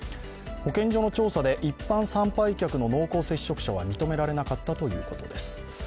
保健所の調査で一般参拝者の濃厚接触者は認められなかったということです。